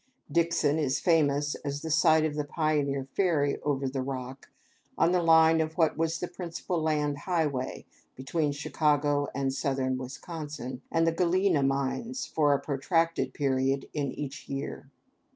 Dixon is famous as the site of the pioneer ferry over the Rock, on the line of what was the principal land highway between Chicago and southern Wisconsin and the Galena mines for a protracted period in each year.